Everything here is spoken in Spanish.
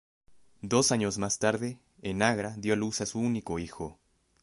Dos años más tarde, en Agra, dio a luz a su único hijo.